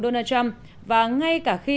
donald trump và ngay cả khi